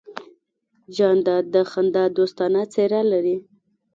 جانداد د خندا دوستانه څېرہ ده.